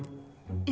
え？